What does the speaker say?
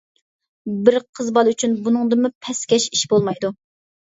بىر قىز بالا ئۈچۈن ئۇنىڭدىنمۇ پەسكەش ئىش بولمايدۇ.